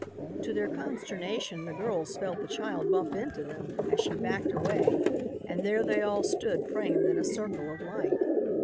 To their consternation, the girls felt the child bump into them as she backed away and there they all stood framed in a circle of light.